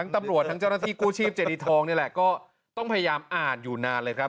ตำรวจทั้งเจ้าหน้าที่กู้ชีพเจดีทองนี่แหละก็ต้องพยายามอ่านอยู่นานเลยครับ